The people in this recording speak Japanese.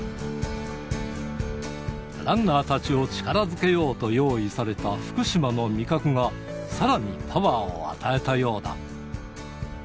ランナーたちを力づけようと用意された福島の味覚が、さらにパワーを与えたようだ。